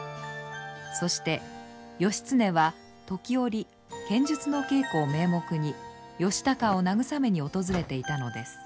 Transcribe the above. そして義経は時折剣術の稽古を名目に義高を慰めに訪れていたのです。